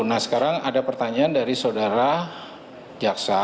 nah sekarang ada pertanyaan dari saudara jaksa